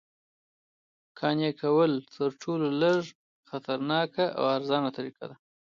قانع کول تر ټولو لږ خطرناکه او ارزانه طریقه ده